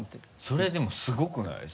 それでもすごくない？